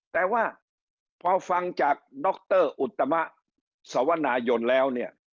แต่ว่าพอฟังจากดรอุตมะสวนายนแล้วเนี่ย